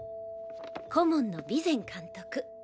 顧問の備前監督。